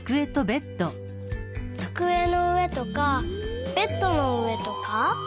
つくえのうえとかベッドのうえとか？